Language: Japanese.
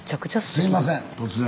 すいません突然。